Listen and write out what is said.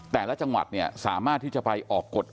แต่ละจังหวัดเนี่ยสามารถที่จะไปออกกฎ